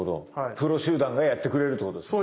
プロ集団がやってくれるってことですね。